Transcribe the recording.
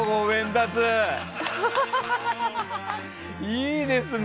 いいですね！